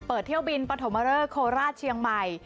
เที่ยวบินปฐมเริกโคราชเชียงใหม่